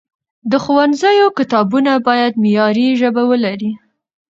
د ښوونځیو کتابونه باید معیاري ژبه ولري.